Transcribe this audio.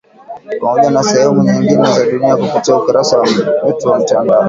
Pamoja na sehemu nyingine za dunia kupitia ukurasa wetu wa mtandao.